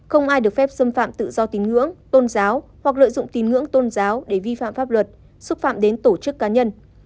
không ai được phép xâm phạm tự do tín ngưỡng tôn giáo hoặc lợi dụng tín ngưỡng tôn giáo để vi phạm pháp luật xúc phạm đến tổ chức cá nhân